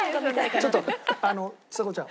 ちょっとちさ子ちゃん